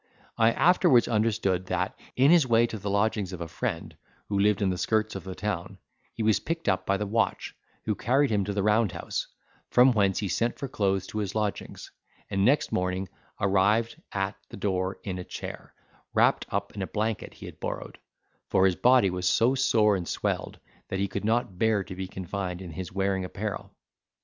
I afterwards understood that, in his way to the lodgings of a friend, who lived in the skirts of the town, he was picked up by the watch, who carried him to the round house, from whence he sent for clothes to his lodgings, and next morning arrived at the door in a chair, wrapt up in a blanket he had borrowed; for his body was so sore and swelled, that he could not bear to be confined in his wearing apparel.